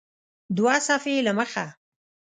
دوه صفحې یې له مخه